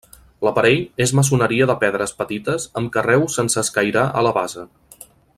L'aparell és maçoneria de pedres petites amb carreus sense escairar a la base.